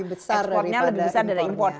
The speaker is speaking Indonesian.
eksportnya lebih besar dari importnya